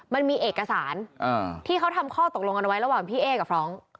มันมีเอกสารที่เขาทำข้อตกลงกันไว้ระหว่างพี่เอ๊กับฟร้อง